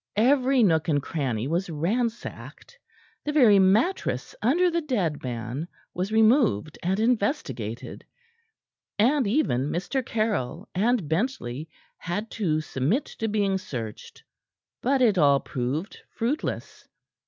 Every nook and cranny was ransacked; the very mattress under the dead man was removed, and investigated, and even Mr. Caryll and Bentley had to submit to being searched. But it all proved fruitless.